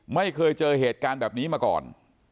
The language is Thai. ไม่เคยเจอเหตุการณ์แบบนี้มาก่อน